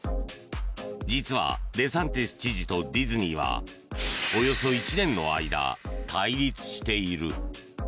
実は、デサンティス知事とディズニーはおよそ１年の間、対立している。